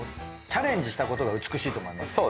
チャレンジしたことが美しいと思います。